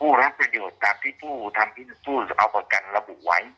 รับประโยชน์ตามที่ผู้ทำผู้เอาประกันระบุไว้